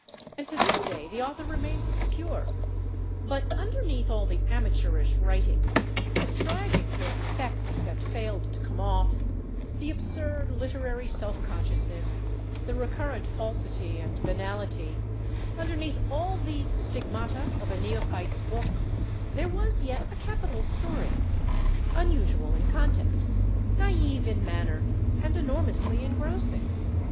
And to this day the author remains obscure.... But underneath all the amateurish writing, the striving for effects that failed to come off, the absurd literary self consciousness, the recurrent falsity and banality—underneath all these stigmata of a neophyte's book there was yet a capital story, unusual in content, naïve in manner and enormously engrossing.